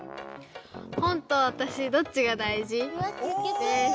本と私どっちが大事？です。